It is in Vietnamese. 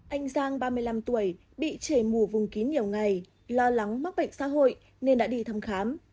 anh giang ba mươi năm tuổi bị trẻ mù vùng kín nhiều ngày lo lắng mắc bệnh xã hội nên đã đi thăm khám